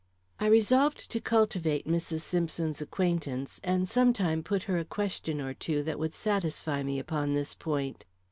I resolved to cultivate Mrs. Simpson's acquaintance, and sometime put her a question or two that would satisfy me upon this point.